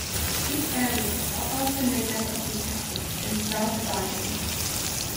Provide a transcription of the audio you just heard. These areas are also made up of detectives and staff sergeants.